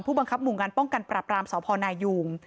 บังคับหมู่งานป้องกันปรับรามสพนายุง